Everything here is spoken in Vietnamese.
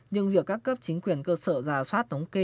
nhưng việc các cấp chính quyền cơ sở giả soát thống kê